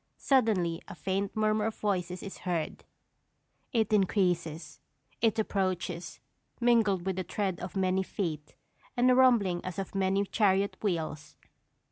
Suddenly a faint murmur of voices is heard; it increases, it approaches, mingled with the tread of many feet, and a rumbling as of mighty chariot wheels.